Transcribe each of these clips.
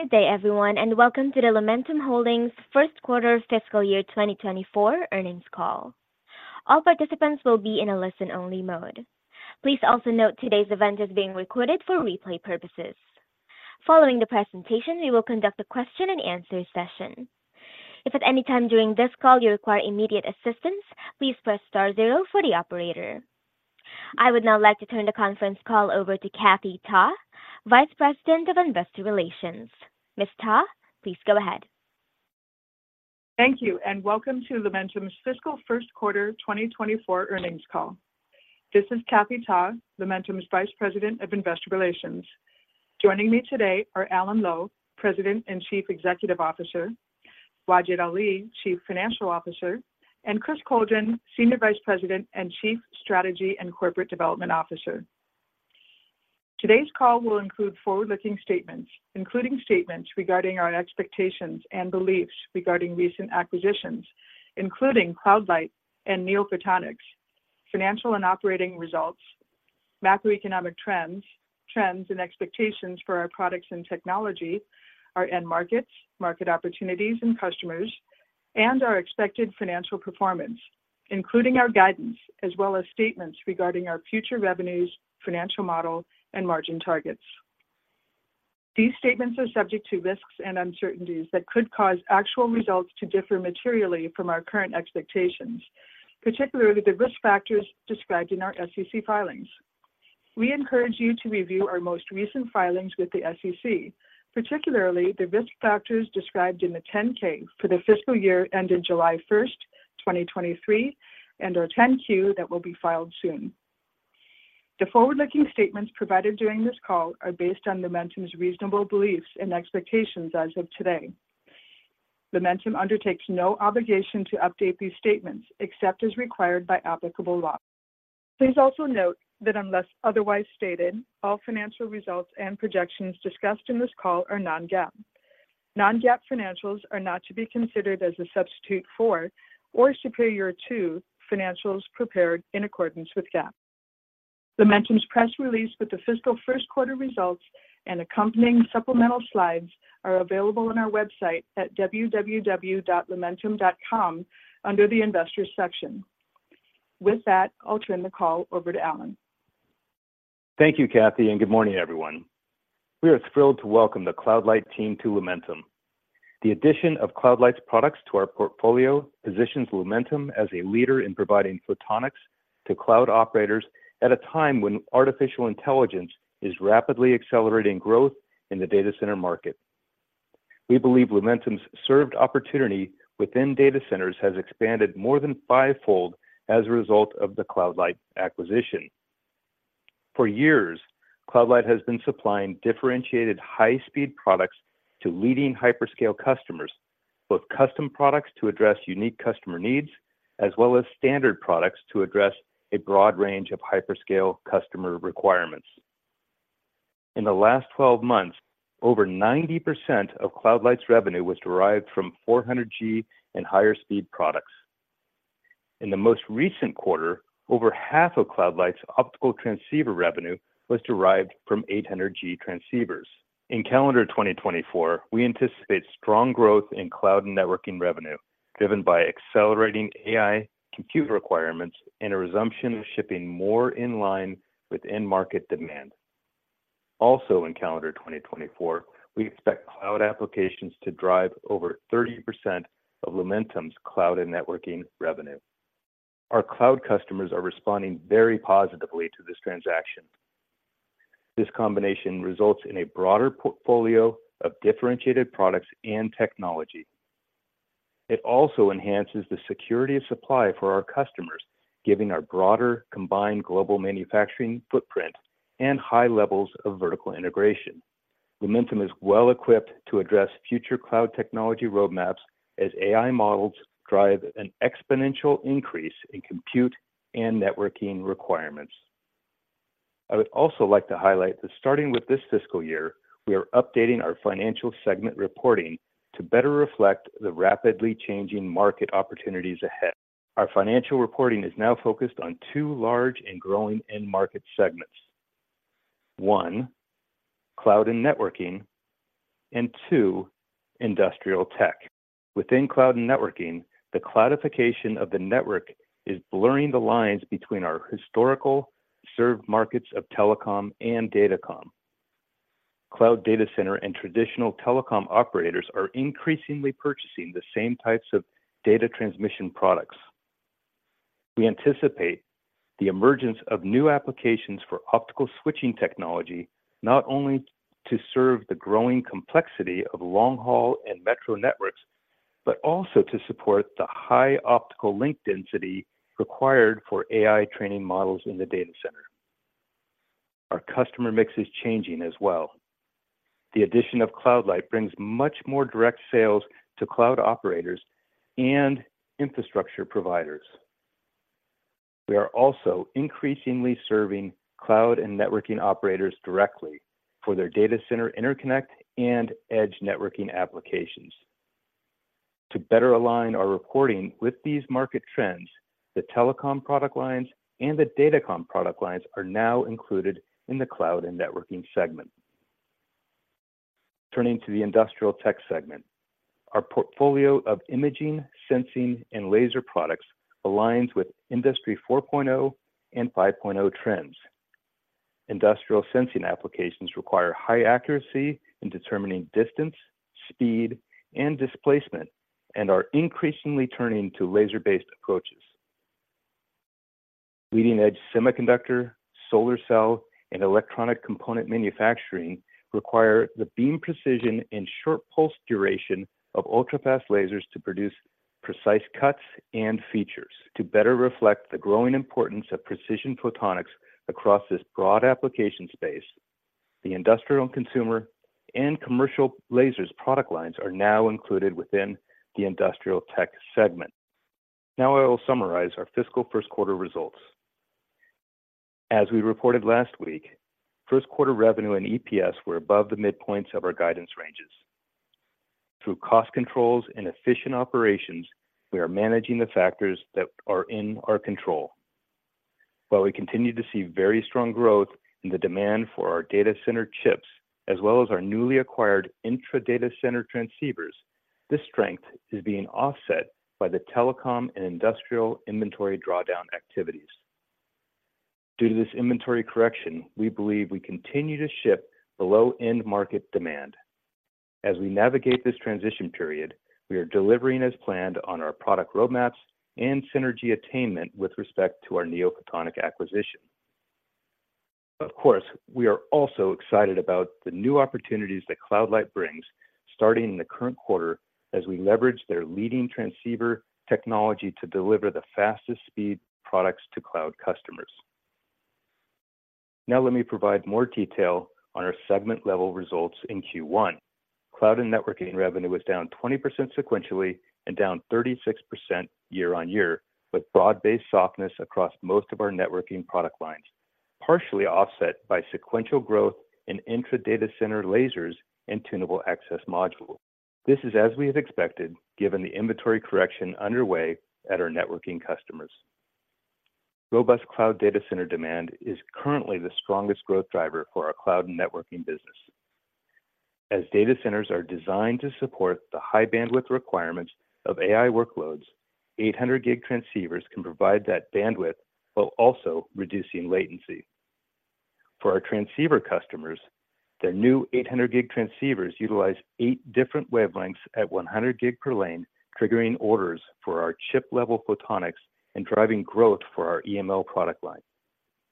Good day, everyone, and welcome to the Lumentum Holdings first quarter fiscal year 2024 earnings call. All participants will be in a listen-only mode. Please also note today's event is being recorded for replay purposes. Following the presentation, we will conduct a question and answer session. If at any time during this call you require immediate assistance, please press star zero for the operator. I would now like to turn the conference call over to Kathy Ta, Vice President of Investor Relations. Ms. Ta, please go ahead. Thank you, and welcome to Lumentum's fiscal first quarter 2024 earnings call. This is Kathy Ta, Lumentum's Vice President of Investor Relations. Joining me today are Alan Lowe, President and Chief Executive Officer, Wajid Ali, Chief Financial Officer, and Chris Coldren, Senior Vice President and Chief Strategy and Corporate Development Officer. Today's call will include forward-looking statements, including statements regarding our expectations and beliefs regarding recent acquisitions, including CloudLight and NeoPhotonics, financial and operating results, macroeconomic trends, trends and expectations for our products and technology, our end markets, market opportunities and customers, and our expected financial performance, including our guidance, as well as statements regarding our future revenues, financial model, and margin targets. These statements are subject to risks and uncertainties that could cause actual results to differ materially from our current expectations, particularly the risk factors described in our SEC filings. We encourage you to review our most recent filings with the SEC, particularly the risk factors described in the 10-K for the fiscal year ended July 1, 2023, and our 10-Q that will be filed soon. The forward-looking statements provided during this call are based on Lumentum's reasonable beliefs and expectations as of today. Lumentum undertakes no obligation to update these statements except as required by applicable law. Please also note that unless otherwise stated, all financial results and projections discussed in this call are non-GAAP. Non-GAAP financials are not to be considered as a substitute for or superior to financials prepared in accordance with GAAP. Lumentum's press release with the fiscal first quarter results and accompanying supplemental slides are available on our website at www.lumentum.com under the Investors section. With that, I'll turn the call over to Alan. Thank you, Kathy, and good morning, everyone. We are thrilled to welcome the CloudLight team to Lumentum. The addition of CloudLight's products to our portfolio positions Lumentum as a leader in providing photonics to cloud operators at a time when artificial intelligence is rapidly accelerating growth in the data center market. We believe Lumentum's served opportunity within data centers has expanded more than 5-fold as a result of the CloudLight acquisition. For years, CloudLight has been supplying differentiated high-speed products to leading hyperscale customers, both custom products to address unique customer needs, as well as standard products to address a broad range of hyperscale customer requirements. In the last 12 months, over 90% of CloudLight's revenue was derived from 400G and higher speed products. In the most recent quarter, over half of CloudLight's optical transceiver revenue was derived from 800G transceivers. In calendar 2024, we anticipate strong growth in cloud and networking revenue, driven by accelerating AI compute requirements and a resumption of shipping more in line with end market demand. Also in calendar 2024, we expect cloud applications to drive over 30% of Lumentum's cloud and networking revenue. Our cloud customers are responding very positively to this transaction. This combination results in a broader portfolio of differentiated products and technology. It also enhances the security of supply for our customers, giving our broader, combined global manufacturing footprint and high levels of vertical integration. Lumentum is well equipped to address future cloud technology roadmaps as AI models drive an exponential increase in compute and networking requirements. I would also like to highlight that starting with this fiscal year, we are updating our financial segment reporting to better reflect the rapidly changing market opportunities ahead. Our financial reporting is now focused on two large and growing end market segments. One, cloud and networking, and two, industrial tech. Within cloud and networking, the cloudification of the network is blurring the lines between our historical served markets of Telecom and Datacom. Cloud data center and traditional Telecom operators are increasingly purchasing the same types of data transmission products. We anticipate the emergence of new applications for optical switching technology, not only to serve the growing complexity of long-haul and metro networks, but also to support the high optical link density required for AI training models in the data center. Our customer mix is changing as well. The addition of CloudLight brings much more direct sales to cloud operators and infrastructure providers. We are also increasingly serving cloud and networking operators directly for their data center interconnect and edge networking applications.... To better align our reporting with these market trends, the telecom product lines and the datacom product lines are now included in the cloud and networking segment. Turning to the industrial tech segment, our portfolio of imaging, sensing, and laser products aligns with Industry 4.0 and 5.0 trends. Industrial sensing applications require high accuracy in determining distance, speed, and displacement, and are increasingly turning to laser-based approaches. Leading-edge semiconductor, solar cell, and electronic component manufacturing require the beam precision and short pulse duration of ultra-fast lasers to produce precise cuts and features. To better reflect the growing importance of precision photonics across this broad application space, the industrial and consumer and commercial lasers product lines are now included within the industrial tech segment. Now I will summarize our fiscal first quarter results. As we reported last week, first quarter revenue and EPS were above the midpoints of our guidance ranges. Through cost controls and efficient operations, we are managing the factors that are in our control. While we continue to see very strong growth in the demand for our data center chips, as well as our newly acquired intra-data center transceivers, this strength is being offset by the telecom and industrial inventory drawdown activities. Due to this inventory correction, we believe we continue to ship below end market demand. As we navigate this transition period, we are delivering as planned on our product roadmaps and synergy attainment with respect to our NeoPhotonics acquisition. Of course, we are also excited about the new opportunities that CloudLight brings, starting in the current quarter, as we leverage their leading transceiver technology to deliver the fastest speed products to cloud customers. Now let me provide more detail on our segment-level results in Q1. Cloud and networking revenue was down 20% sequentially and down 36% year-on-year, with broad-based softness across most of our networking product lines, partially offset by sequential growth in intra-data center lasers and tunable access module. This is as we have expected, given the inventory correction underway at our networking customers. Robust cloud data center demand is currently the strongest growth driver for our cloud networking business. As data centers are designed to support the high bandwidth requirements of AI workloads, 800 gig transceivers can provide that bandwidth while also reducing latency. For our transceiver customers, their new 800 gig transceivers utilize eight different wavelengths at 100 gig per lane, triggering orders for our chip-level photonics and driving growth for our EML product line.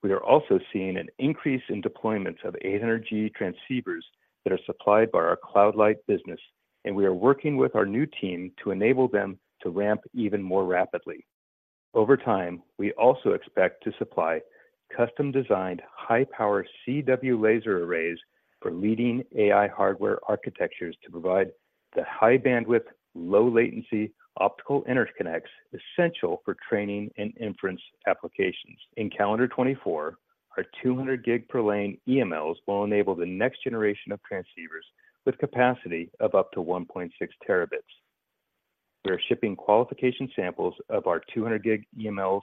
We are also seeing an increase in deployments of 800G transceivers that are supplied by our CloudLight business, and we are working with our new team to enable them to ramp even more rapidly. Over time, we also expect to supply custom-designed, high-power CW laser arrays for leading AI hardware architectures to provide the high bandwidth, low latency optical interconnects essential for training and inference applications. In calendar 2024, our 200 gig per lane EMLs will enable the next generation of transceivers with capacity of up to 1.6T. We are shipping qualification samples of our 200 gig EMLs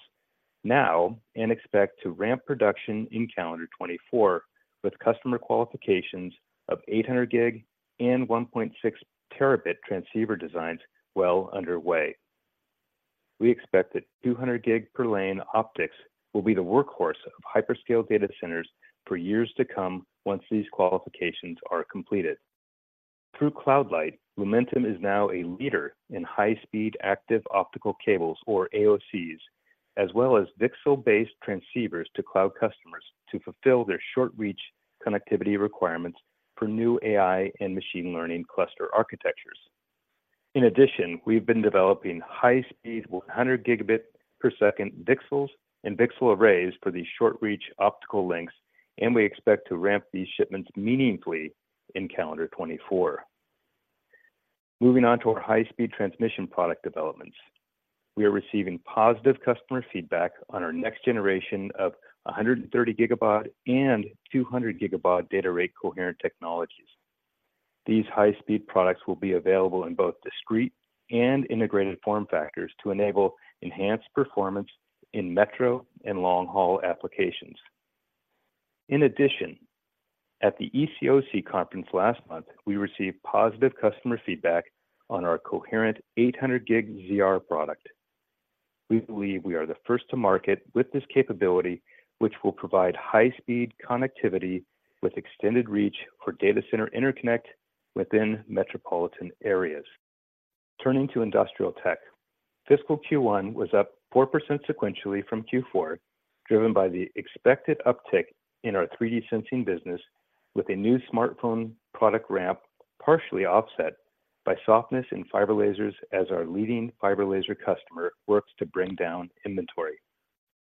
now and expect to ramp production in calendar 2024, with customer qualifications of 800 gig and 1.6T transceiver designs well underway. We expect that 200 gig per lane optics will be the workhorse of hyperscale data centers for years to come once these qualifications are completed. Through CloudLight, Lumentum is now a leader in high-speed active optical cables, or AOCs, as well as VCSEL-based transceivers to cloud customers to fulfill their short-reach connectivity requirements for new AI and machine learning cluster architectures. In addition, we've been developing high-speed, 100G per second VCSELs and VCSEL arrays for these short-reach optical links, and we expect to ramp these shipments meaningfully in calendar 2024. Moving on to our high-speed transmission product developments. We are receiving positive customer feedback on our next generation of 130GBd and 200GBd data rate coherent technologies. These high-speed products will be available in both discrete and integrated form factors to enable enhanced performance in metro and long-haul applications. In addition, at the ECOC conference last month, we received positive customer feedback on our coherent 800G ZR product. We believe we are the first to market with this capability, which will provide high-speed connectivity with extended reach for data center interconnect within metropolitan areas. Turning to industrial tech, fiscal Q1 was up 4% sequentially from Q4, driven by the expected uptick in our 3D sensing business, with a new smartphone product ramp partially offset by softness in fiber lasers as our leading fiber laser customer works to bring down inventory.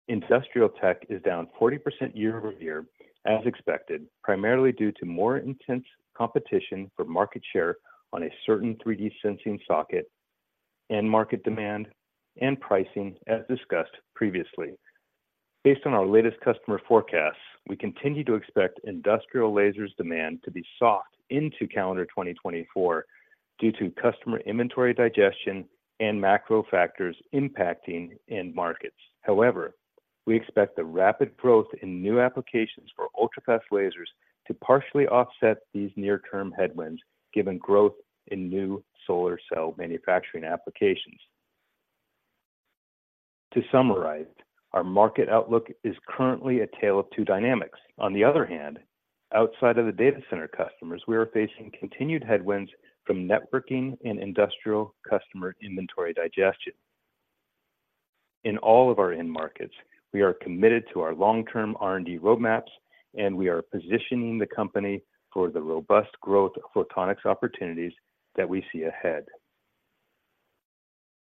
Industrial tech is down 40% year-over-year, as expected, primarily due to more intense competition for market share on a certain 3D sensing socket and market demand and pricing, as discussed previously. Based on our latest customer forecasts, we continue to expect industrial lasers demand to be soft into calendar 2024 due to customer inventory digestion and macro factors impacting end markets. However, we expect the rapid growth in new applications for ultra-fast lasers to partially offset these near-term headwinds, given growth in new solar cell manufacturing applications. To summarize, our market outlook is currently a tale of two dynamics. On the other hand, outside of the data center customers, we are facing continued headwinds from networking and industrial customer inventory digestion. In all of our end markets, we are committed to our long-term R&D roadmaps, and we are positioning the company for the robust growth of photonics opportunities that we see ahead.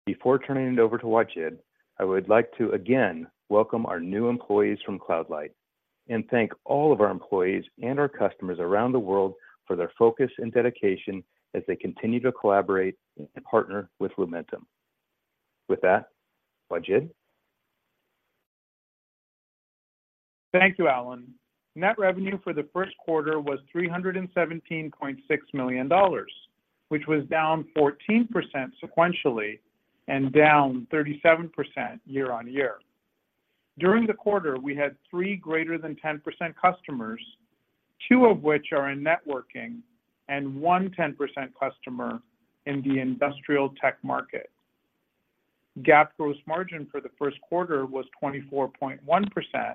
Before turning it over to Wajid, I would like to again welcome our new employees from CloudLight, and thank all of our employees and our customers around the world for their focus and dedication as they continue to collaborate and partner with Lumentum. With that, Wajid? Thank you, Alan. Net revenue for the first quarter was $317.6 million, which was down 14% sequentially and down 37% year-on-year. During the quarter, we had three >10% customers, two of which are in networking and one 10% customer in the industrial tech market. GAAP gross margin for the first quarter was 24.1%,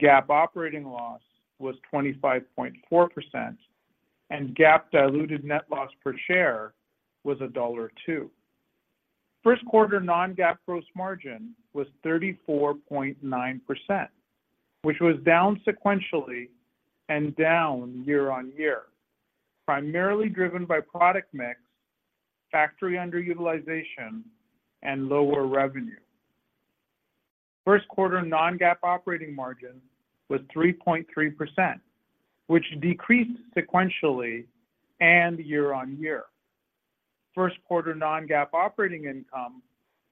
GAAP operating loss was 25.4%, and GAAP diluted net loss per share was $2. First quarter non-GAAP gross margin was 34.9%, which was down sequentially and down year-on-year, primarily driven by product mix, factory underutilization, and lower revenue. First quarter non-GAAP operating margin was 3.3%, which decreased sequentially and year-on-year. First quarter non-GAAP operating income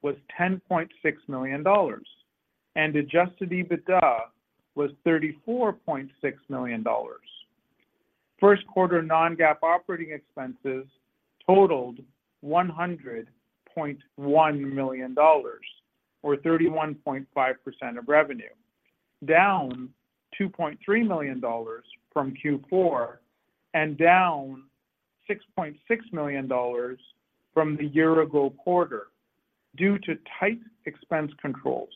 was $10.6 million, and adjusted EBITDA was $34.6 million. First quarter non-GAAP operating expenses totaled $100.1 million or 31.5% of revenue, down $2.3 million from Q4 and down $6.6 million from the year ago quarter due to tight expense controls.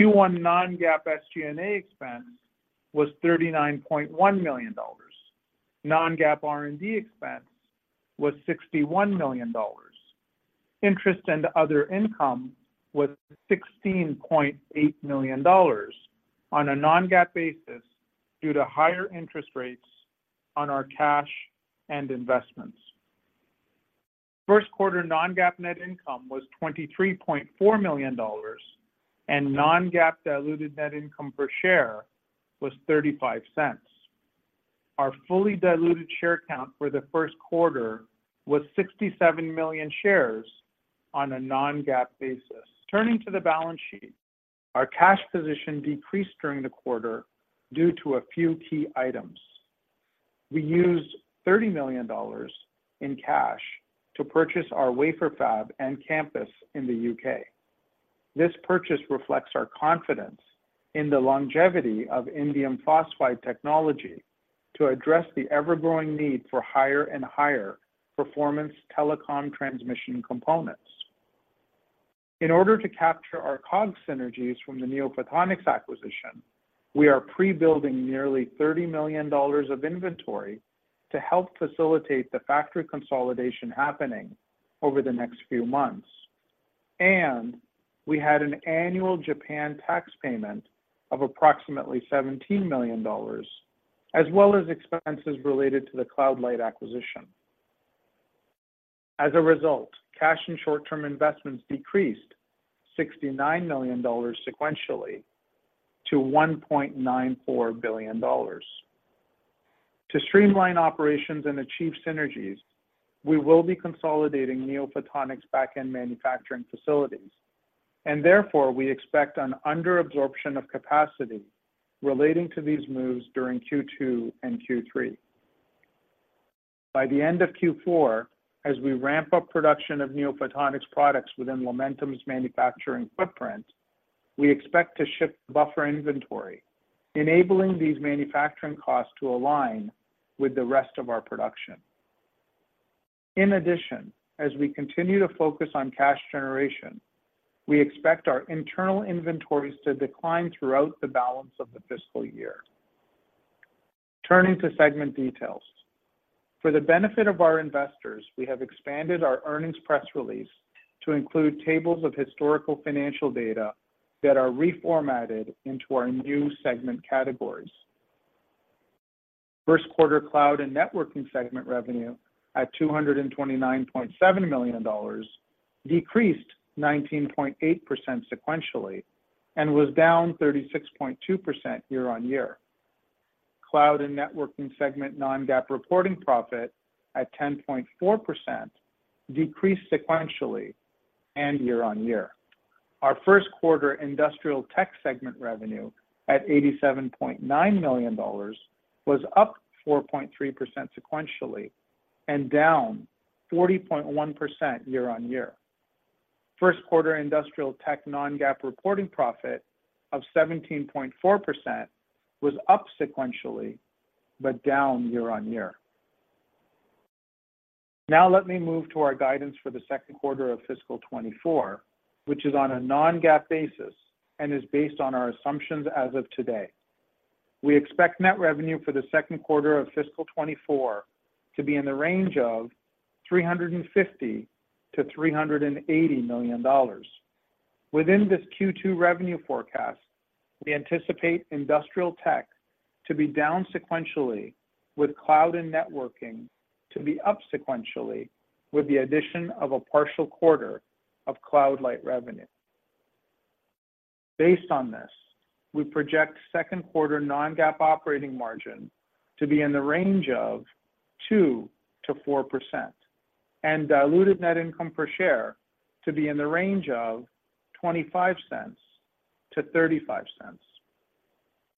Q1 non-GAAP SG&A expense was $39.1 million. Non-GAAP R&D expense was $61 million. Interest and other income was $16.8 million on a non-GAAP basis due to higher interest rates on our cash and investments. First quarter non-GAAP net income was $23.4 million, and non-GAAP diluted net income per share was $0.35. Our fully diluted share count for the first quarter was 67 million shares on a non-GAAP basis. Turning to the balance sheet, our cash position decreased during the quarter due to a few key items. We used $30 million in cash to purchase our wafer fab and campus in the U.K. This purchase reflects our confidence in the longevity of indium phosphide technology to address the ever-growing need for higher and higher performance telecom transmission components. In order to capture our COGS synergies from the NeoPhotonics acquisition, we are pre-building nearly $30 million of inventory to help facilitate the factory consolidation happening over the next few months. We had an annual Japan tax payment of approximately $17 million, as well as expenses related to the CloudLight acquisition. As a result, cash and short-term investments decreased $69 million sequentially to $1.94 billion. To streamline operations and achieve synergies, we will be consolidating NeoPhotonics back-end manufacturing facilities, and therefore, we expect an under absorption of capacity relating to these moves during Q2 and Q3. By the end of Q4, as we ramp up production of NeoPhotonics products within Lumentum's manufacturing footprint, we expect to ship buffer inventory, enabling these manufacturing costs to align with the rest of our production. In addition, as we continue to focus on cash generation, we expect our internal inventories to decline throughout the balance of the fiscal year. Turning to segment details. For the benefit of our investors, we have expanded our earnings press release to include tables of historical financial data that are reformatted into our new segment categories. First quarter cloud and networking segment revenue at $229.7 million decreased 19.8% sequentially and was down 36.2% year-on-year. Cloud and networking segment non-GAAP reporting profit at 10.4% decreased sequentially and year-on-year. Our first quarter industrial tech segment revenue at $87.9 million was up 4.3% sequentially and down 40.1% year-on-year. First quarter industrial tech non-GAAP reporting profit of 17.4% was up sequentially, but down year-on-year. Now let me move to our guidance for the second quarter of fiscal 2024, which is on a non-GAAP basis and is based on our assumptions as of today. We expect net revenue for the second quarter of fiscal 2024 to be in the range of $350 million-$380 million. Within this Q2 revenue forecast, we anticipate industrial tech to be down sequentially, with cloud and networking to be up sequentially, with the addition of a partial quarter of CloudLight revenue. Based on this, we project second quarter non-GAAP operating margin to be in the range of 2%-4% and diluted net income per share to be in the range of $0.25-$0.35.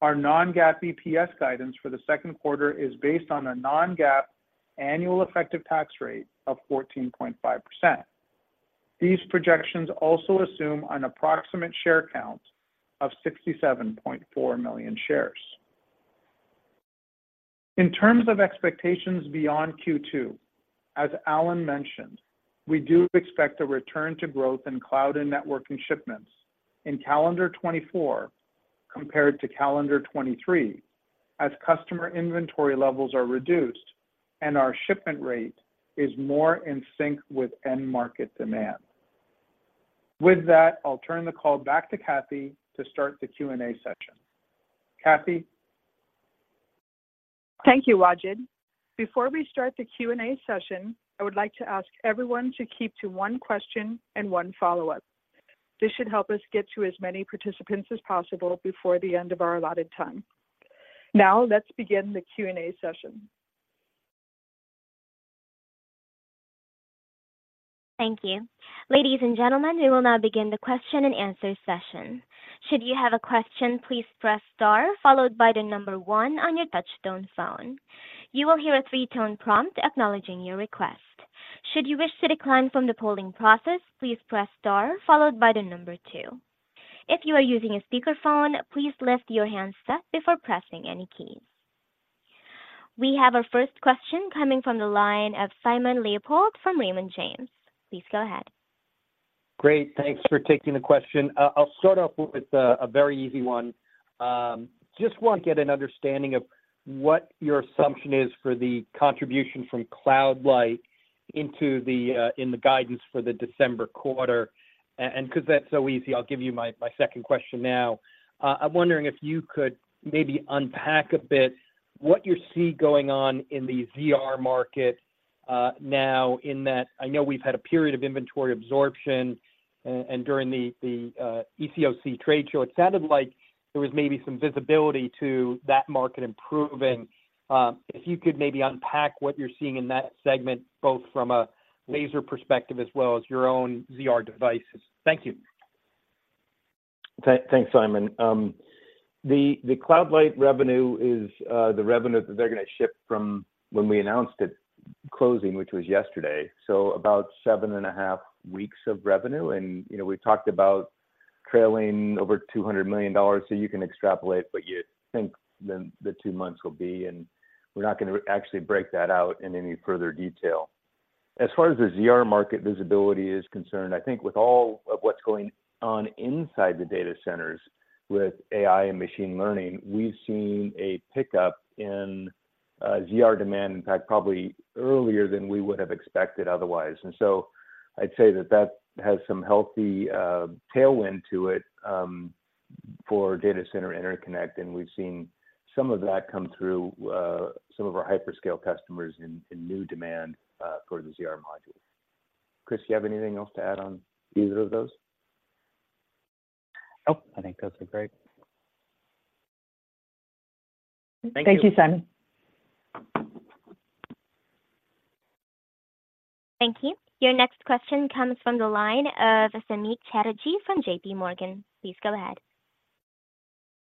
Our non-GAAP EPS guidance for the second quarter is based on a non-GAAP annual effective tax rate of 14.5%. These projections also assume an approximate share count of 67.4 million shares. In terms of expectations beyond Q2, as Alan mentioned, we do expect a return to growth in cloud and networking shipments in calendar 2024 compared to calendar 2023, as customer inventory levels are reduced and our shipment rate is more in sync with end market demand. With that, I'll turn the call back to Kathy to start the Q&A session. Kathy? Thank you, Wajid. Before we start the Q&A session, I would like to ask everyone to keep to one question and one follow-up. This should help us get to as many participants as possible before the end of our allotted time. Now, let's begin the Q&A session. Thank you. Ladies and gentlemen, we will now begin the question and answer session. Should you have a question, please press star followed by the number 1 on your touchtone phone. You will hear a 3-tone prompt acknowledging your request. Should you wish to decline from the polling process, please press star followed by the number 2. If you are using a speakerphone, please lift your handset before pressing any keys. We have our first question coming from the line of Simon Leopold from Raymond James. Please go ahead. Great, thanks for taking the question. I'll start off with a very easy one. Just want to get an understanding of what your assumption is for the contribution from CloudLight into the guidance for the December quarter. And 'cause that's so easy, I'll give you my second question now. I'm wondering if you could maybe unpack a bit what you see going on in the ZR market now, in that I know we've had a period of inventory absorption, and during the ECOC trade show, it sounded like there was maybe some visibility to that market improving. If you could maybe unpack what you're seeing in that segment, both from a laser perspective as well as your own ZR devices. Thank you. Thanks, Simon. The CloudLight revenue is the revenue that they're going to ship from when we announced it closing, which was yesterday, so about seven and a half weeks of revenue. You know, we talked about trailing over $200 million, so you can extrapolate what you think the two months will be, and we're not going to actually break that out in any further detail. As far as the ZR market visibility is concerned, I think with all of what's going on inside the data centers with AI and machine learning, we've seen a pickup in ZR demand, in fact, probably earlier than we would have expected otherwise. So I'd say that that has some healthy tailwind to it for data center interconnect, and we've seen some of that come through some of our hyperscale customers in new demand for the ZR modules. Chris, you have anything else to add on either of those? Nope. I think those are great. Thank you. Thank you, Simon. Thank you. Your next question comes from the line of Samik Chatterjee from JP Morgan. Please go ahead.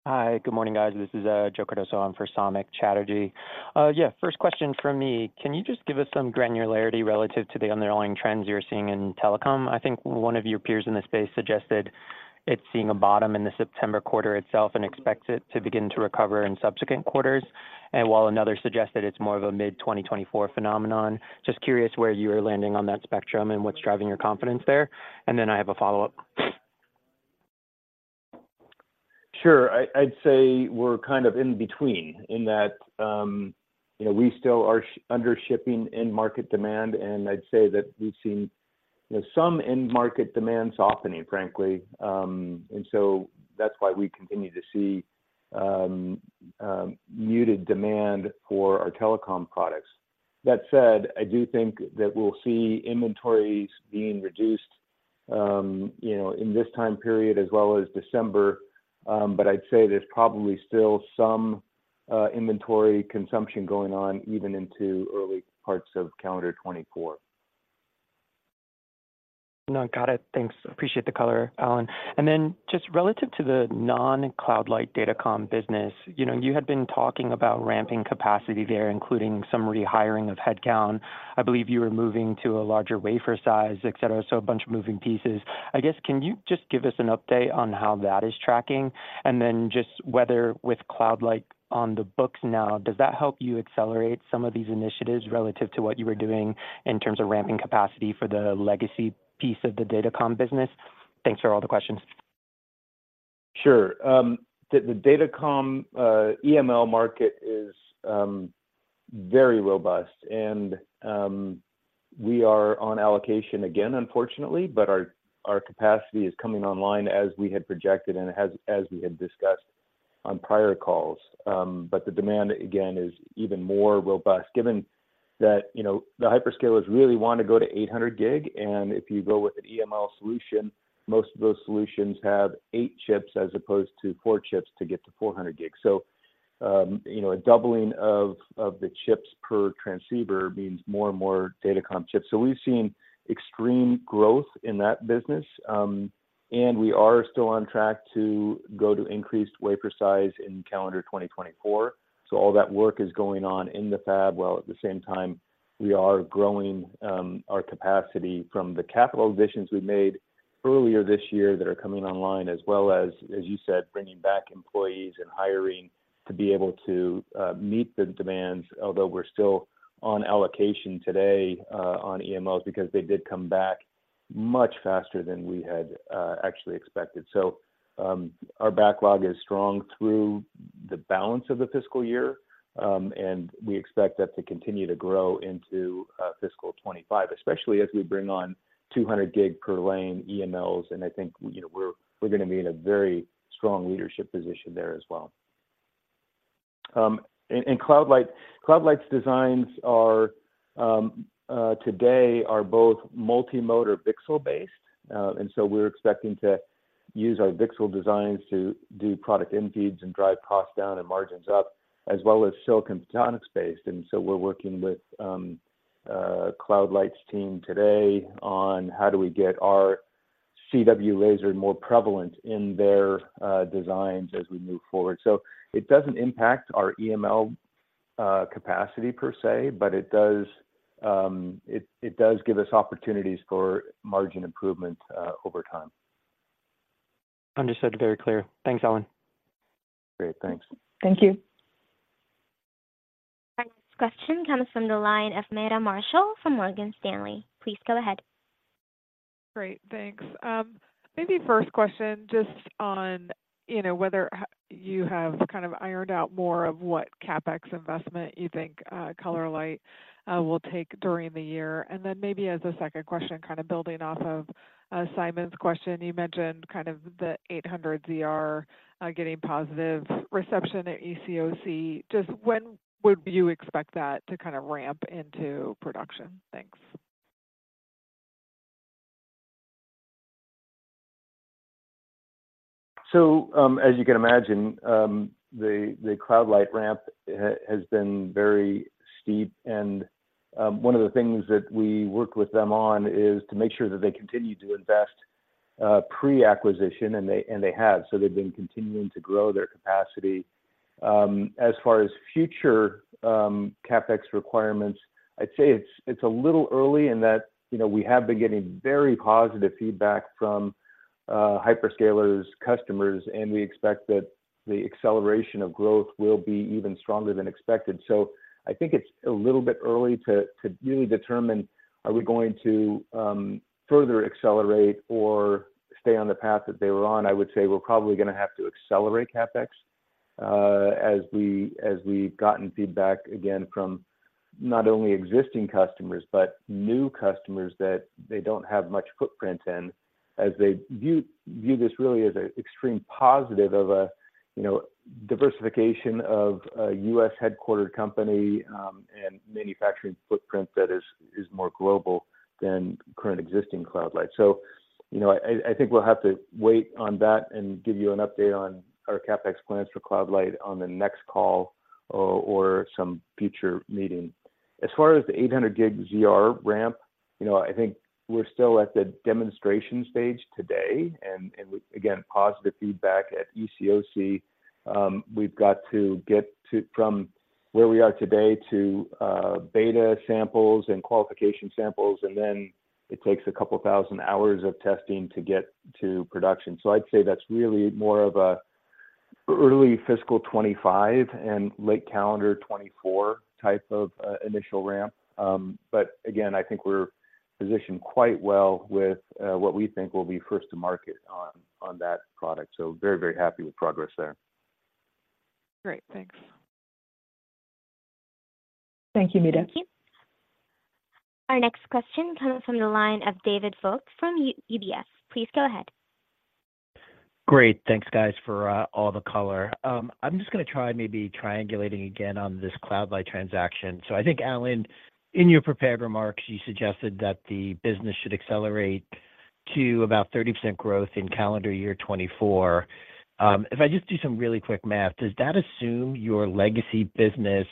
Hi, good morning, guys. This is, Joe Cardoso in for Samik Chatterjee. Yeah, first question from me. Can you just give us some granularity relative to the underlying trends you're seeing in telecom? I think one of your peers in this space suggested it's seeing a bottom in the September quarter itself and expects it to begin to recover in subsequent quarters, and while another suggested it's more of a mid-2024 phenomenon. Just curious where you are landing on that spectrum and what's driving your confidence there. And then I have a follow-up. Sure. I'd say we're kind of in between in that, you know, we still are shipping under market demand, and I'd say that we've seen, you know, some end market demand softening, frankly. And so that's why we continue to see muted demand for our telecom products. That said, I do think that we'll see inventories being reduced.... you know, in this time period as well as December. But I'd say there's probably still some inventory consumption going on, even into early parts of calendar 2024. No, got it. Thanks. Appreciate the color, Alan. And then just relative to the non-CloudLight Datacom business, you know, you had been talking about ramping capacity there, including some rehiring of headcount. I believe you were moving to a larger wafer size, et cetera, so a bunch of moving pieces. I guess, can you just give us an update on how that is tracking? And then just whether with CloudLight on the books now, does that help you accelerate some of these initiatives relative to what you were doing in terms of ramping capacity for the legacy piece of the Datacom business? Thanks for all the questions. Sure. The Datacom EML market is very robust, and we are on allocation again, unfortunately, but our capacity is coming online as we had projected and as we had discussed on prior calls. But the demand, again, is even more robust, given that, you know, the hyperscalers really want to go to 800 gig, and if you go with an EML solution, most of those solutions have eight chips as opposed to four chips to get to 400 gigs. So, you know, a doubling of the chips per transceiver means more and more Datacom chips. So we've seen extreme growth in that business, and we are still on track to go to increased wafer size in calendar 2024. So all that work is going on in the fab, while at the same time, we are growing our capacity from the capital additions we made earlier this year that are coming online, as well as, as you said, bringing back employees and hiring to be able to meet the demands, although we're still on allocation today on EMLs, because they did come back much faster than we had actually expected. So our backlog is strong through the balance of the fiscal year, and we expect that to continue to grow into fiscal 2025, especially as we bring on 200 gig per lane EMLs, and I think, you know, we're gonna be in a very strong leadership position there as well. And CloudLight's designs are today both multi-mode or VCSEL-based. And so we're expecting to use our VCSEL designs to do product end feeds and drive costs down and margins up, as well as silicon photonics-based. And so we're working with CloudLight's team today on how do we get our CW laser more prevalent in their designs as we move forward. So it doesn't impact our EML capacity per se, but it does give us opportunities for margin improvement over time. Understood. Very clear. Thanks, Alan. Great. Thanks. Thank you. Our next question comes from the line of Meta Marshall from Morgan Stanley. Please go ahead. Great, thanks. Maybe first question, just on, you know, whether you have kind of ironed out more of what CapEx investment you think, CloudLight, will take during the year. And then maybe as a second question, kind of building off of, Simon's question, you mentioned kind of the 800 ZR, getting positive reception at ECOC. Just when would you expect that to kind of ramp into production? Thanks. So, as you can imagine, the CloudLight ramp has been very steep, and one of the things that we worked with them on is to make sure that they continued to invest pre-acquisition, and they have. So they've been continuing to grow their capacity. As far as future CapEx requirements, I'd say it's a little early in that, you know, we have been getting very positive feedback from hyperscalers customers, and we expect that the acceleration of growth will be even stronger than expected. So I think it's a little bit early to really determine, are we going to further accelerate or stay on the path that they were on? I would say we're probably gonna have to accelerate CapEx, as we've gotten feedback, again, from not only existing customers, but new customers that they don't have much footprint in, as they view this really as an extreme positive of a, you know, diversification of a U.S.-headquartered company, and manufacturing footprint that is more global than current existing CloudLight. So, you know, I think we'll have to wait on that and give you an update on our CapEx plans for CloudLight on the next call or some future meeting. As far as the 800G ZR ramp, you know, I think we're still at the demonstration stage today, and again, positive feedback at ECOC. We've got to get to, from where we are today to, beta samples and qualification samples, and then it takes a couple thousand hours of testing to get to production. So I'd say that's really more of a early fiscal 2025 and late calendar 2024 type of, initial ramp. But again, I think we're positioned quite well with, what we think will be first to market on, on that product. So very, very happy with progress there. Great. Thanks. Thank you, Meta. Thank you. Our next question comes from the line of David Vogt from UBS. Please go ahead. Great. Thanks, guys, for all the color. I'm just gonna try maybe triangulating again on this CloudLight transaction. So I think, Alan, in your prepared remarks, you suggested that the business should accelerate to about 30% growth in calendar year 2024. If I just do some really quick math, does that assume your legacy business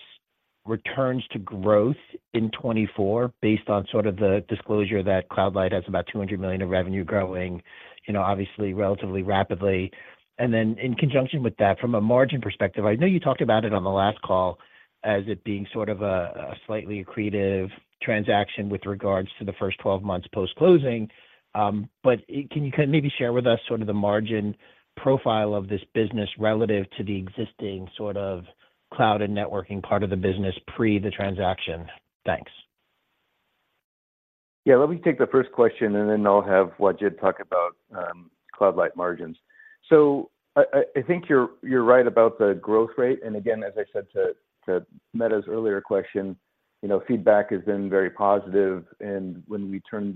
returns to growth in 2024, based on sort of the disclosure that CloudLight has about $200 million of revenue growing, you know, obviously relatively rapidly? And then in conjunction with that, from a margin perspective, I know you talked about it on the last call as it being sort of a slightly accretive transaction with regards to the first 12 months post-closing, but, can you kind of maybe share with us sort of the margin profile of this business relative to the existing sort of cloud and networking part of the business pre the transaction? Thanks. Yeah, let me take the first question, and then I'll have Wajid talk about CloudLight margins. So I think you're right about the growth rate, and again, as I said to Meta's earlier question, you know, feedback has been very positive, and when we turn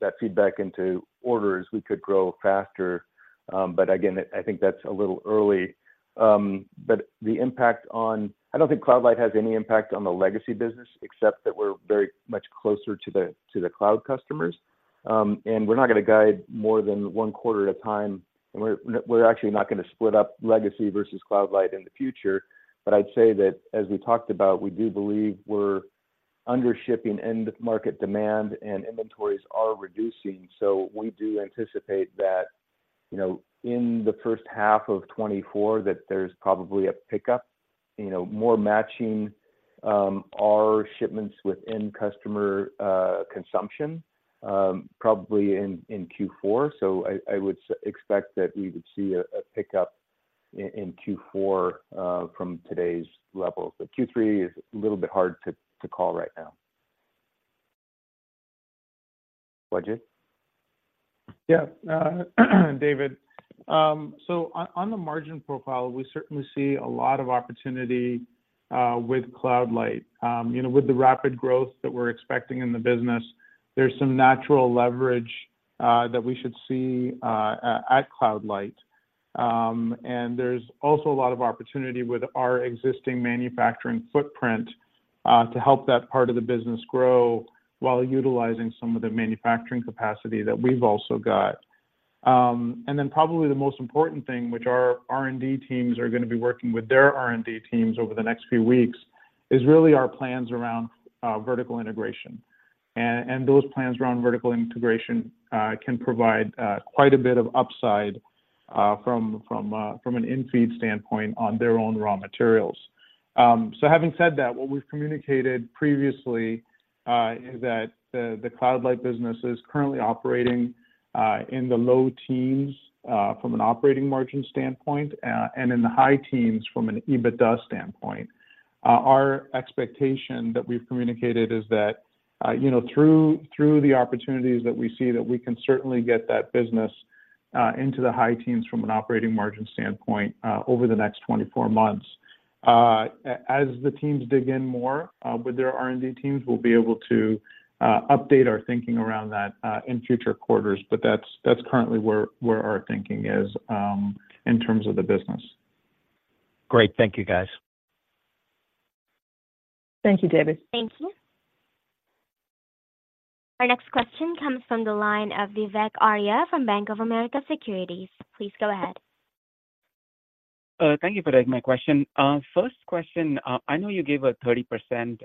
that feedback into orders, we could grow faster. But again, I think that's a little early. But the impact on... I don't think CloudLight has any impact on the legacy business, except that we're very much closer to the cloud customers. And we're not gonna guide more than one quarter at a time, and we're actually not gonna split up legacy versus CloudLight in the future. But I'd say that, as we talked about, we do believe we're under shipping end market demand and inventories are reducing. So we do anticipate that, you know, in the first half of 2024, that there's probably a pickup, you know, more matching our shipments within customer consumption, probably in Q4. So I would expect that we would see a pickup in Q4 from today's levels. But Q3 is a little bit hard to call right now. Wajid? Yeah, David. So on the margin profile, we certainly see a lot of opportunity with CloudLight. You know, with the rapid growth that we're expecting in the business, there's some natural leverage that we should see at CloudLight. And there's also a lot of opportunity with our existing manufacturing footprint to help that part of the business grow while utilizing some of the manufacturing capacity that we've also got. And then probably the most important thing, which our R&D teams are gonna be working with their R&D teams over the next few weeks, is really our plans around vertical integration. And those plans around vertical integration can provide quite a bit of upside from an in-feed standpoint on their own raw materials. So having said that, what we've communicated previously is that the CloudLight business is currently operating in the low teens from an operating margin standpoint and in the high teens from an EBITDA standpoint. Our expectation that we've communicated is that, you know, through the opportunities that we see, that we can certainly get that business into the high teens from an operating margin standpoint over the next 24 months. As the teams dig in more with their R&D teams, we'll be able to update our thinking around that in future quarters, but that's currently where our thinking is in terms of the business. Great. Thank you, guys. Thank you, David. Thank you. Our next question comes from the line of Vivek Arya from Bank of America Securities. Please go ahead. Thank you for taking my question. First question, I know you gave a 30%,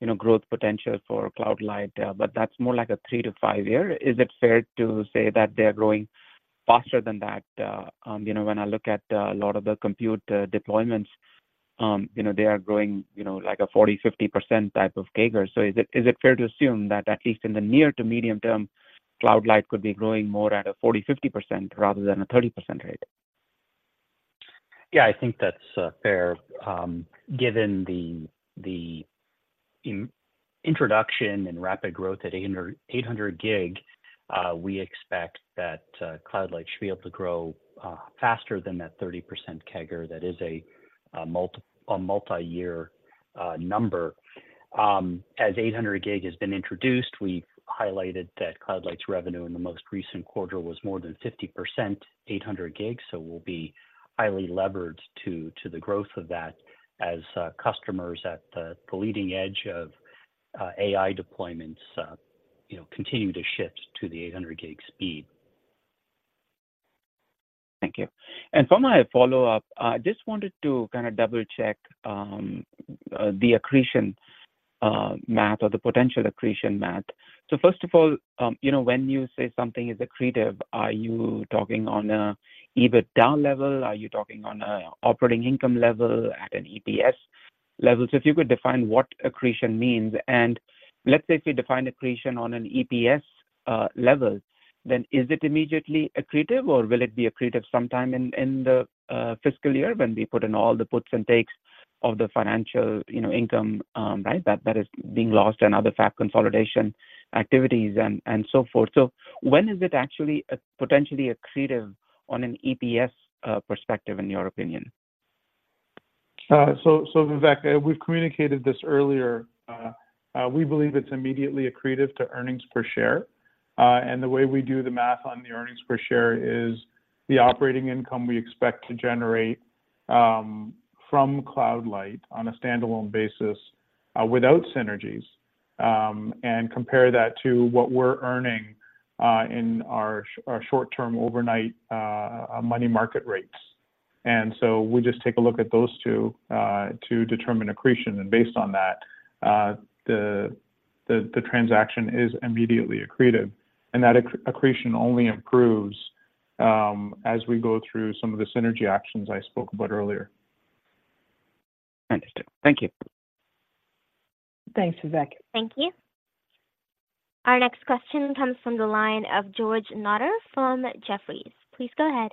you know, growth potential for CloudLight, but that's more like a 3- to 5-year. Is it fair to say that they're growing faster than that? You know, when I look at a lot of the compute deployments, you know, they are growing, you know, like a 40-50 type of CAGR. So is it, is it fair to assume that at least in the near to medium term, CloudLight could be growing more at a 40-50% rather than a 30% rate? Yeah, I think that's fair. Given the introduction and rapid growth at 800 gig, we expect that CloudLight should be able to grow faster than that 30% CAGR. That is a multi-year number. As 800 gig has been introduced, we've highlighted that CloudLight's revenue in the most recent quarter was more than 50% 800 gigs. So we'll be highly levered to the growth of that as customers at the leading edge of AI deployments, you know, continue to shift to the 800 gig speed. Thank you. For my follow-up, I just wanted to kind of double-check the accretion math or the potential accretion math. First of all, you know, when you say something is accretive, are you talking on an EBITDA level? Are you talking on an operating income level, at an EPS level? If you could define what accretion means, and let's say if we define accretion on an EPS level, then is it immediately accretive, or will it be accretive sometime in the fiscal year when we put in all the puts and takes of the financial, you know, income, right, that is being lost and other fab consolidation activities and so forth? When is it actually potentially accretive on an EPS perspective, in your opinion?... So, so Vivek, we've communicated this earlier. We believe it's immediately accretive to earnings per share. And the way we do the math on the earnings per share is the operating income we expect to generate, from CloudLight on a standalone basis, without synergies, and compare that to what we're earning, in our short-term overnight money market rates. And so we just take a look at those two, to determine accretion. And based on that, the transaction is immediately accretive, and that accretion only improves, as we go through some of the synergy actions I spoke about earlier. Understood. Thank you. Thanks, Vivek. Thank you. Our next question comes from the line of George Notter from Jefferies. Please go ahead.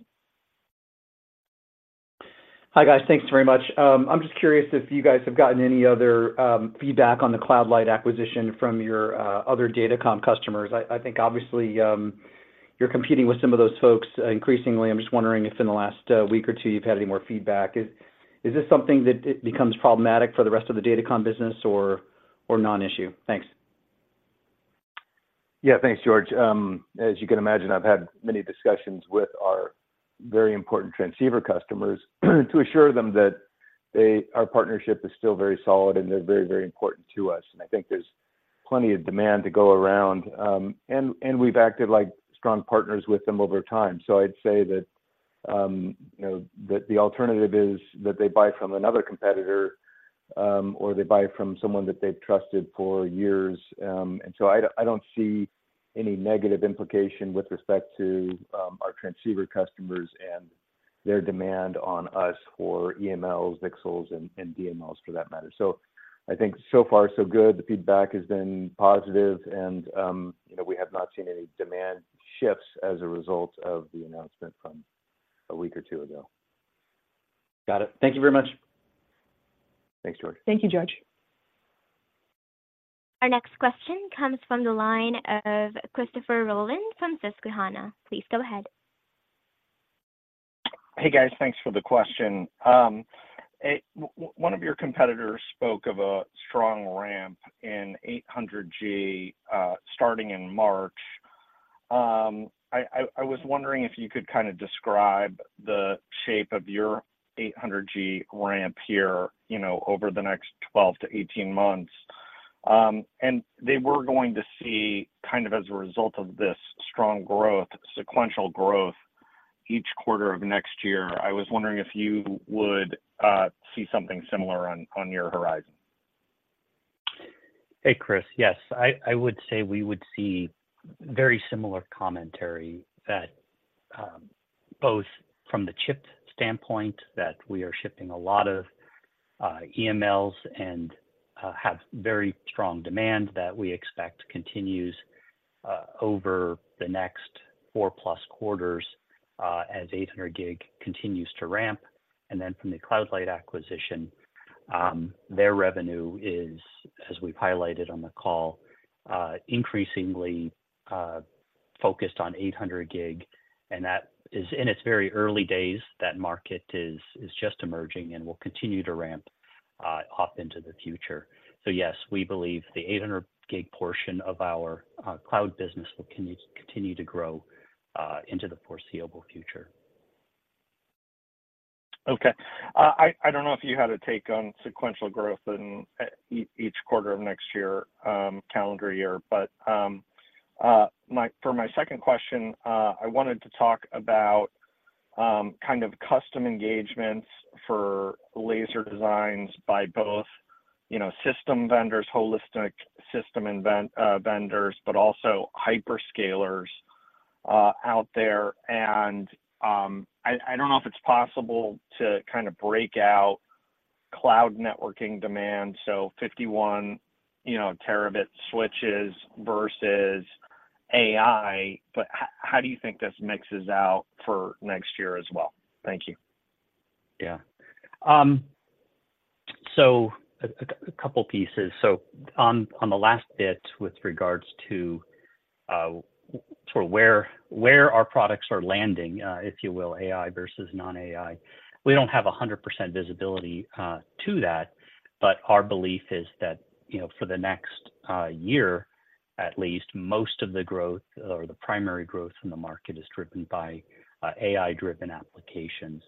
Hi, guys. Thanks very much. I'm just curious if you guys have gotten any other feedback on the CloudLight acquisition from your other Datacom customers. I think obviously you're competing with some of those folks increasingly. I'm just wondering if in the last week or two you've had any more feedback. Is this something that it becomes problematic for the rest of the Datacom business or non-issue? Thanks. Yeah. Thanks, George. As you can imagine, I've had many discussions with our very important transceiver customers, to assure them that they—our partnership is still very solid and they're very, very important to us, and I think there's plenty of demand to go around. And we've acted like strong partners with them over time. So I'd say that, you know, that the alternative is that they buy from another competitor, or they buy from someone that they've trusted for years. And so I don't see any negative implication with respect to, our transceiver customers and their demand on us for EMLs, VCSELs, and DMLs for that matter. So I think so far, so good. The feedback has been positive and, you know, we have not seen any demand shifts as a result of the announcement from a week or two ago. Got it. Thank you very much. Thanks, George. Thank you, George. Our next question comes from the line of Christopher Rolland from Susquehanna. Please go ahead. Hey, guys. Thanks for the question. One of your competitors spoke of a strong ramp in 800G starting in March. I was wondering if you could kinda describe the shape of your 800G ramp here, you know, over the next 12-18 months. And they were going to see, kind of as a result of this strong growth, sequential growth each quarter of next year. I was wondering if you would see something similar on your horizon. Hey, Chris. Yes, I would say we would see very similar commentary that both from the chip standpoint, that we are shipping a lot of EMLs and have very strong demand that we expect continues over the next four-plus quarters as 800 gig continues to ramp. And then from the CloudLight acquisition, their revenue is, as we've highlighted on the call, increasingly focused on 800 gig, and that is in its very early days. That market is just emerging and will continue to ramp off into the future. So yes, we believe the 800 gig portion of our cloud business will continue to grow into the foreseeable future. Okay. I don't know if you had a take on sequential growth in each quarter of next year, calendar year, but for my second question, I wanted to talk about kind of custom engagements for laser designs by both, you know, system vendors, holistic system vendors, but also hyperscalers out there. And I don't know if it's possible to kind of break out cloud networking demand, so 51, you know, terabit switches versus AI, but how do you think this mixes out for next year as well? Thank you. Yeah. So a couple pieces. So on the last bit, with regards to sort of where our products are landing, if you will, AI versus non-AI, we don't have 100% visibility to that. But our belief is that, you know, for the next year, at least, most of the growth or the primary growth in the market is driven by AI-driven applications.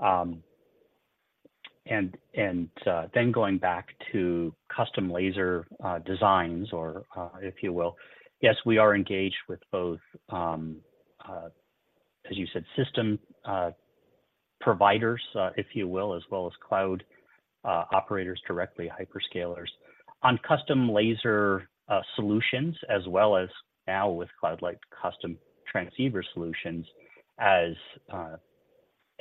And then going back to custom laser designs or, if you will, yes, we are engaged with both, as you said, system providers, if you will, as well as cloud operators directly, hyperscalers. On custom laser solutions as well as now with CloudLight, custom transceiver solutions, as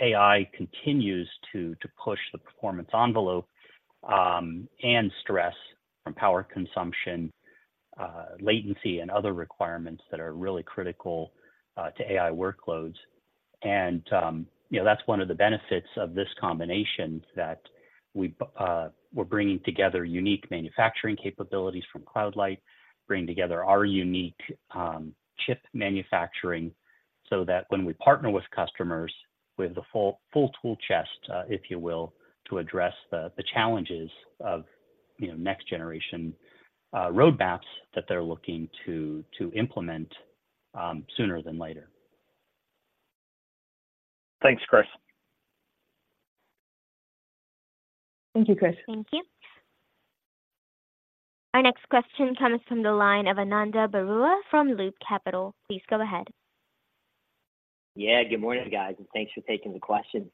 AI continues to push the performance envelope, and stress from power consumption, latency, and other requirements that are really critical to AI workloads. You know, that's one of the benefits of this combination, that we're bringing together unique manufacturing capabilities from CloudLight, bringing together our unique chip manufacturing, so that when we partner with customers, we have the full tool chest, if you will, to address the challenges of next generation roadmaps that they're looking to implement sooner than later. Thanks, Chris. Thank you, Chris. Thank you. Our next question comes from the line of Ananda Baruah from Loop Capital. Please go ahead. Yeah, good morning, guys, and thanks for taking the question.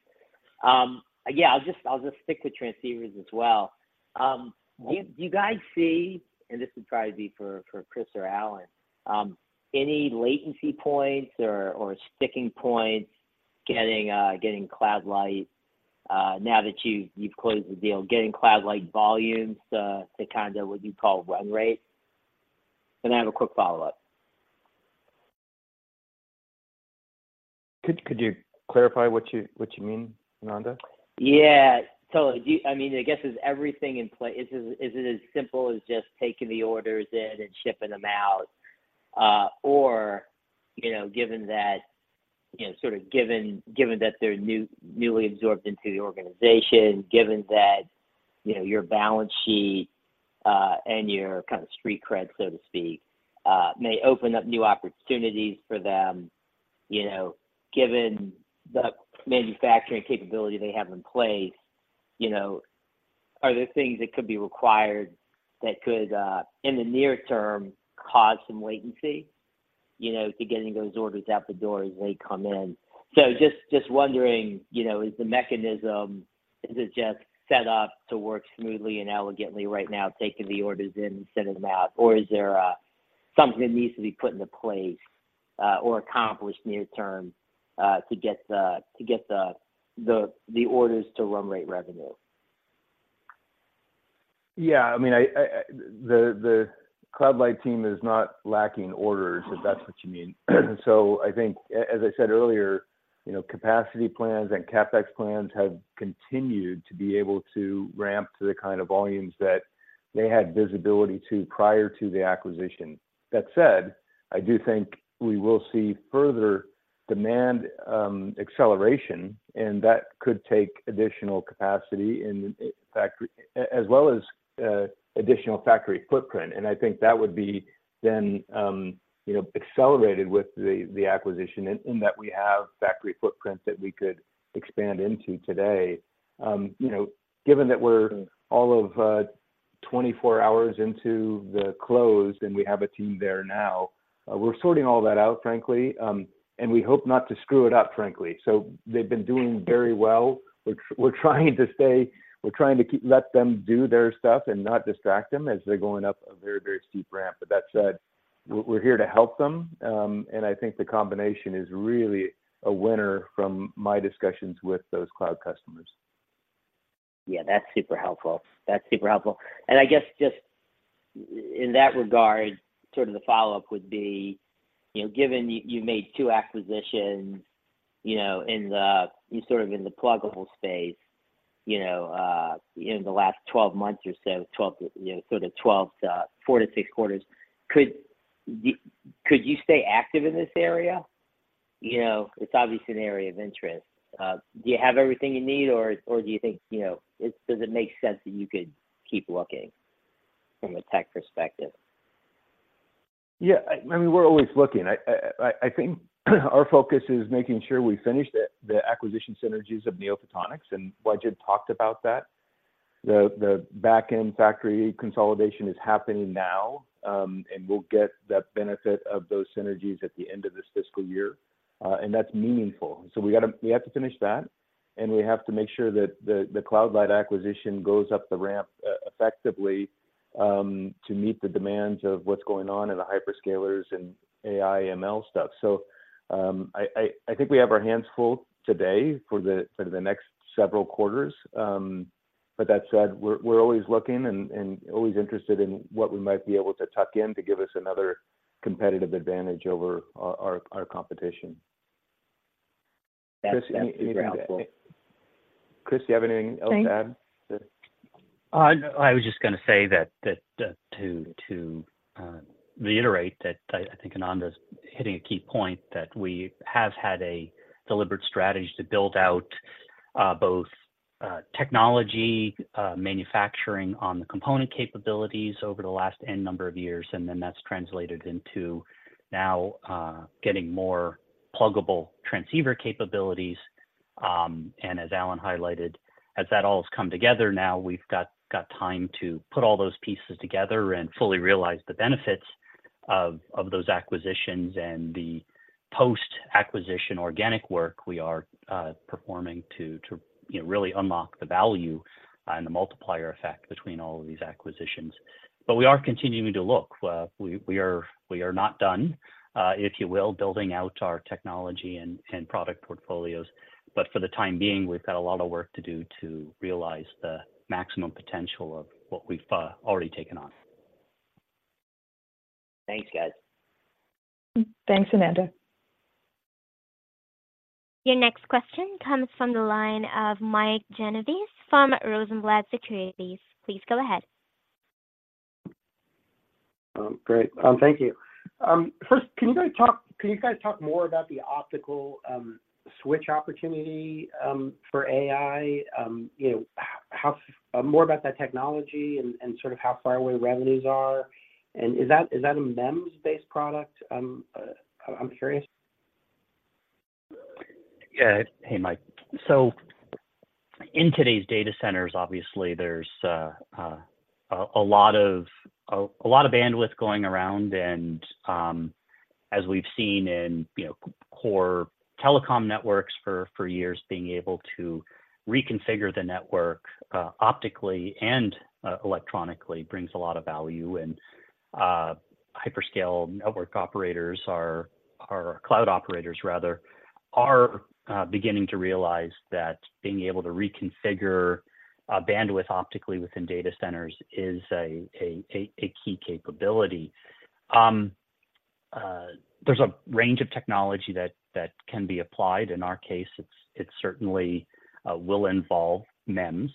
Yeah, I'll just stick with transceivers as well. Do you guys see, and this would probably be for Chris or Alan, any latency points or sticking points getting CloudLight, now that you've closed the deal, getting CloudLight volumes to kinda what you call run rate? And I have a quick follow-up. Could you clarify what you mean, Ananda? Yeah. So do you, I mean, I guess, is everything in place? Is it as simple as just taking the orders in and shipping them out? Or, you know, sort of given that they're newly absorbed into the organization, given that, you know, your balance sheet and your kind of street cred, so to speak, may open up new opportunities for them, you know, given the manufacturing capability they have in place, you know, are there things that could be required that could, in the near term, cause some latency, you know, to getting those orders out the door as they come in? So, just wondering, you know, is the mechanism just set up to work smoothly and elegantly right now, taking the orders in and sending them out, or is there something that needs to be put into place or accomplished near term to get the orders to run rate revenue? Yeah, I mean, the CloudLight team is not lacking orders, if that's what you mean. So I think as I said earlier, you know, capacity plans and CapEx plans have continued to be able to ramp to the kind of volumes that they had visibility to prior to the acquisition. That said, I do think we will see further demand acceleration, and that could take additional capacity in the factory, as well as additional factory footprint. And I think that would be then, you know, accelerated with the acquisition in that we have factory footprints that we could expand into today. You know, given that we're all of 24 hours into the close and we have a team there now, we're sorting all that out, frankly, and we hope not to screw it up, frankly. So they've been doing very well. We're trying to keep letting them do their stuff and not distract them as they're going up a very, very steep ramp. But that said, we're here to help them, and I think the combination is really a winner from my discussions with those cloud customers. Yeah, that's super helpful. That's super helpful. And I guess just in that regard, sort of the follow-up would be, you know, given you, you made two acquisitions, you know, in the, sort of in the pluggable space, you know, in the last 12 months or so, 12, you know, sort of 12, 4-6 quarters, could you stay active in this area? You know, it's obviously an area of interest. Do you have everything you need, or, or do you think, you know, does it make sense that you could keep looking from a tech perspective? Yeah, I mean, we're always looking. I think our focus is making sure we finish the acquisition Synergies of NeoPhotonics, and Wajid talked about that. The back-end factory consolidation is happening now, and we'll get the benefit of those synergies at the end of this fiscal year, and that's meaningful. So we gotta, we have to finish that, and we have to make sure that the CloudLight acquisition goes up the ramp, effectively, to meet the demands of what's going on in the hyperscalers and AI, ML stuff. So, I think we have our hands full today for the next several quarters. But that said, we're always looking and always interested in what we might be able to tuck in to give us another competitive advantage over our competition. That's super helpful. Chris, anything to add? Chris, do you have anything else to add? I was just gonna say that to reiterate that I think Ananda's hitting a key point, that we have had a deliberate strategy to build out both technology manufacturing on the component capabilities over the last 10 number of years, and then that's translated into now getting more pluggable transceiver capabilities. And as Alan highlighted, as that all has come together now, we've got time to put all those pieces together and fully realize the benefits of those acquisitions and the post-acquisition organic work we are performing to you know really unlock the value and the multiplier effect between all of these acquisitions. But we are continuing to look. We are not done, if you will, building out our technology and product portfolios, but for the time being, we've got a lot of work to do to realize the maximum potential of what we've already taken on. Thanks, guys. Thanks, Ananda. Your next question comes from the line of Mike Genovese from Rosenblatt Securities. Please go ahead. Great. Thank you. First, can you guys talk more about the optical switch opportunity for AI? You know, how more about that technology and sort of how far away revenues are, and is that a MEMS-based product? I'm curious. Yeah. Hey, Mike. So in today's data centers, obviously, there's a lot of bandwidth going around, and as we've seen in, you know, core telecom networks for years, being able to reconfigure the network optically and electronically brings a lot of value. And hyperscale network operators or cloud operators rather are beginning to realize that being able to reconfigure bandwidth optically within data centers is a key capability. There's a range of technology that can be applied. In our case, it certainly will involve MEMS.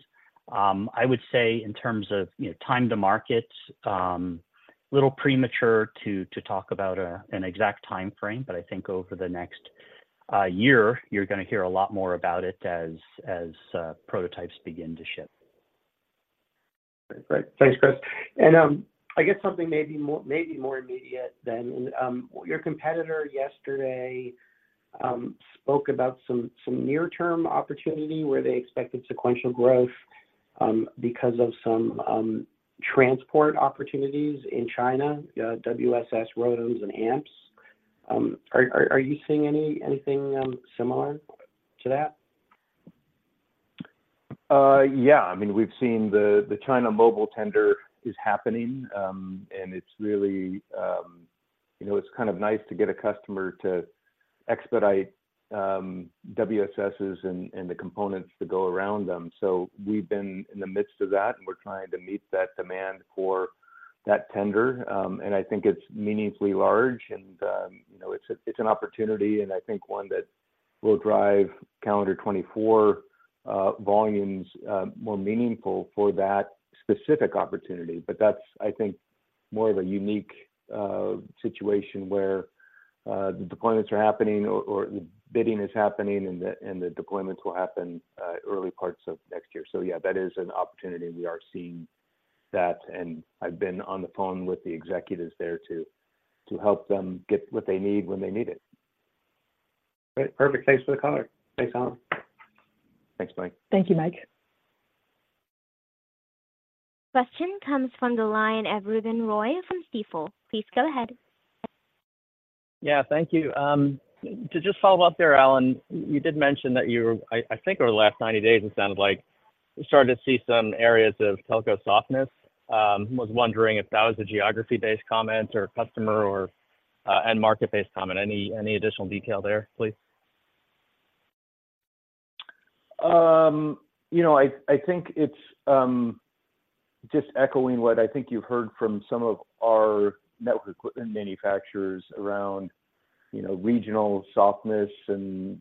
I would say in terms of, you know, time to market, little premature to talk about an exact timeframe, but I think over the next year, you're gonna hear a lot more about it as prototypes begin to ship. Great. Thanks, Chris. And, I guess something maybe more immediate than your competitor yesterday spoke about some near-term opportunity where they expected sequential growth because of some transport opportunities in China, WSS, ROADMs, and Amps. Are you seeing anything similar to that? Yeah. I mean, we've seen the, the China Mobile tender is happening, and it's really, you know, it's kind of nice to get a customer to expedite, WSSs and, and the components that go around them. So we've been in the midst of that, and we're trying to meet that demand for that tender. And I think it's meaningfully large, and, you know, it's a, it's an opportunity, and I think one that will drive calendar 2024, volumes, more meaningful for that specific opportunity. But that's, I think, more of a unique, situation where, the deployments are happening or, or the bidding is happening, and the, and the deployments will happen, early parts of next year. So yeah, that is an opportunity, and we are seeing that, and I've been on the phone with the executives there to help them get what they need when they need it. Great. Perfect. Thanks for the color. Thanks, Alan. Thanks, Mike. Thank you, Mike. Question comes from the line of Ruben Roy from Stifel. Please go ahead. Yeah, thank you. To just follow up there, Alan, you did mention that I think over the last 90 days, it sounded like you're starting to see some areas of telco softness. Was wondering if that was a geography-based comment, or customer, or and market-based comment. Any additional detail there, please? You know, I think it's just echoing what I think you've heard from some of our network equipment manufacturers around, you know, regional softness and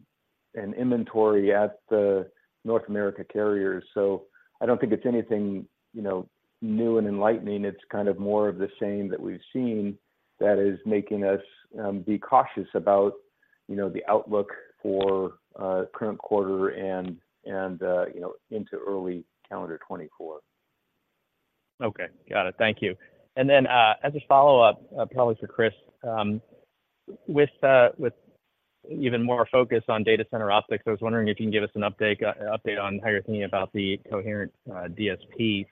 inventory at the North American carriers. So I don't think it's anything, you know, new and enlightening. It's kind of more of the same that we've seen that is making us be cautious about, you know, the outlook for the current quarter and, you know, into early calendar 2024. Okay. Got it. Thank you. And then, as a follow-up, probably for Chris, with even more focus on data center optics, I was wondering if you can give us an update on how you're thinking about the coherent DSP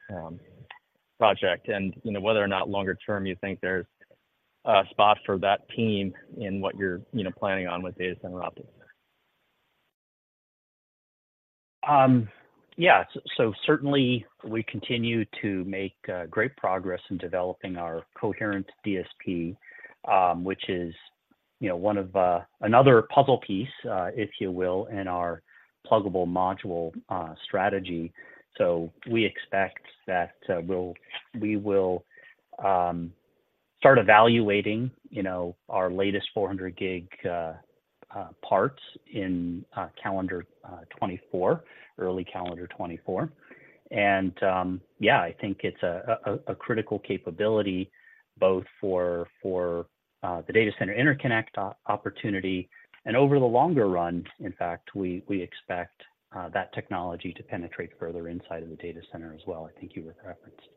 project, and, you know, whether or not longer term you think there's spots for that team in what you're, you know, planning on with data center optics? Yeah. So certainly, we continue to make great progress in developing our coherent DSP, which is, you know, one of another puzzle piece, if you will, in our pluggable module strategy. So we expect that we will start evaluating, you know, our latest 400 gig parts in calendar 2024, early calendar 2024. And yeah, I think it's a critical capability both for the data center interconnect opportunity, and over the longer run, in fact, we expect that technology to penetrate further inside of the data center as well, I think you were referencing.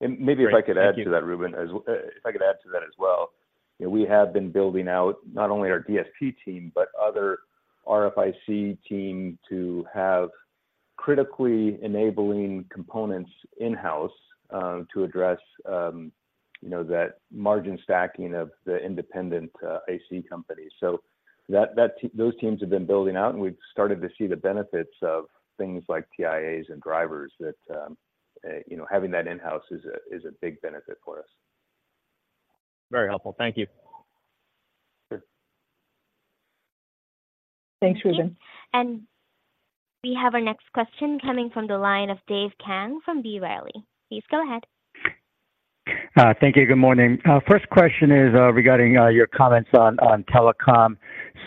And maybe if I could add to that, Ruben, if I could add to that as well. You know, we have been building out not only our DSP team, but other RFIC team to have critically enabling components in-house to address, you know, that margin stacking of the independent AC companies. So those teams have been building out, and we've started to see the benefits of things like TIAs and drivers that, you know, having that in-house is a big benefit for us. Very helpful. Thank you. Sure. Thanks, Ruben. We have our next question coming from the line of Dave Kang from B. Riley. Please go ahead. Thank you. Good morning. First question is regarding your comments on telecom.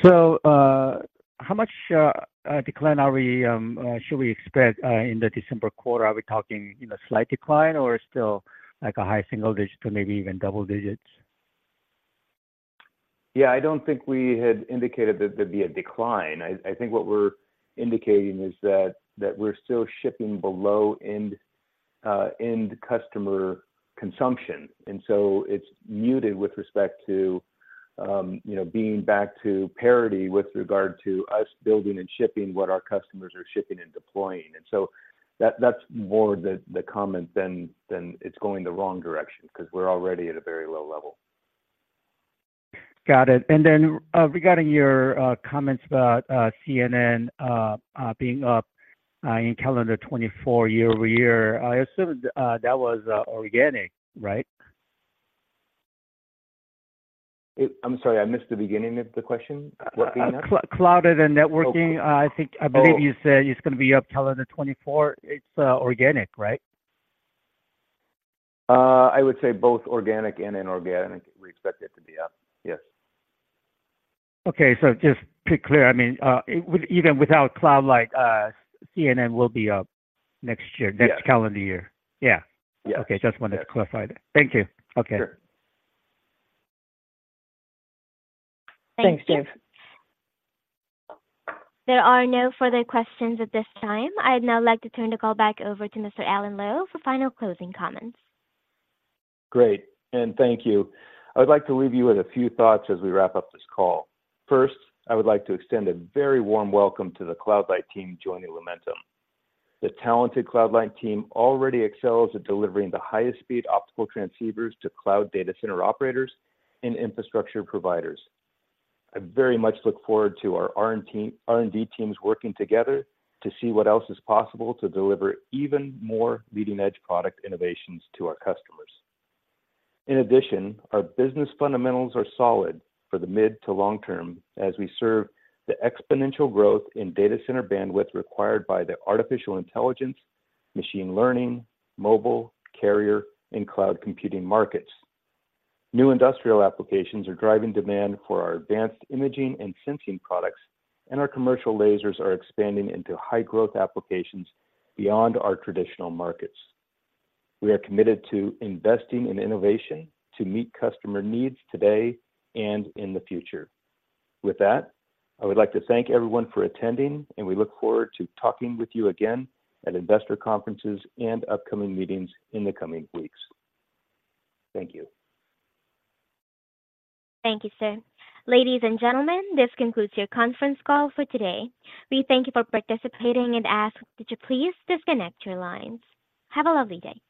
So, how much decline are we should we expect in the December quarter? Are we talking, you know, slight decline or still, like, a high single digit or maybe even double digits? Yeah, I don't think we had indicated that there'd be a decline. I think what we're indicating is that we're still shipping below end, end customer consumption. And so it's muted with respect to you know, being back to parity with regard to us building and shipping what our customers are shipping and deploying. And so that's more the comment than it's going the wrong direction, 'cause we're already at a very low level. Got it. And then, regarding your comments about C&N being up in calendar 2024 year-over-year, I assumed that was organic, right? I'm sorry, I missed the beginning of the question. What being up? Cloud and networking. Oh. I think, I believe- Oh. You said it's gonna be up calendar 2024. It's organic, right? I would say both organic and inorganic, we expect it to be up. Yes. Okay. So just to be clear, I mean, it would... even without CloudLight, CNN will be up next year- Yes. next calendar year. Yeah. Yes. Okay, just wanted to clarify that. Thank you. Okay. Sure. Thank you. Thanks, Dave. There are no further questions at this time. I'd now like to turn the call back over to Mr. Alan Lowe for final closing comments. Great, and thank you. I would like to leave you with a few thoughts as we wrap up this call. First, I would like to extend a very warm welcome to the CloudLight team joining Lumentum. The talented CloudLight team already excels at delivering the highest speed optical transceivers to cloud data center operators and infrastructure providers. I very much look forward to our R&D teams working together to see what else is possible to deliver even more leading-edge product innovations to our customers. In addition, our business fundamentals are solid for the mid to long term as we serve the exponential growth in data center bandwidth required by the artificial intelligence, machine learning, mobile, carrier, and cloud computing markets. New industrial applications are driving demand for our advanced imaging and sensing products, and our commercial lasers are expanding into high-growth applications beyond our traditional markets. We are committed to investing in innovation to meet customer needs today and in the future. With that, I would like to thank everyone for attending, and we look forward to talking with you again at investor conferences and upcoming meetings in the coming weeks. Thank you. Thank you, Sir. Ladies and gentlemen, this concludes your conference call for today. We thank you for participating and ask that you please disconnect your lines. Have a lovely day.